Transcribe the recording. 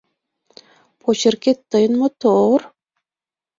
— Почеркет тыйын мотор?